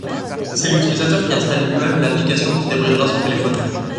C'est l'utilisateur qui installe lui-même l'application qui débridera son téléphone.